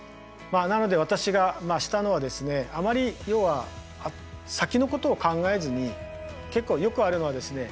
まあなので私がしたのはですねあまり要は先のことを考えずに結構よくあるのはですね